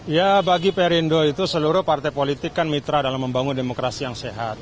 ya bagi perindo itu seluruh partai politik kan mitra dalam membangun demokrasi yang sehat